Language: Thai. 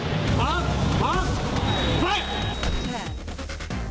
ฟ้าฟ้าไฟล์